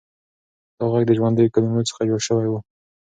دا غږ د ژوندیو کلمو څخه جوړ شوی و.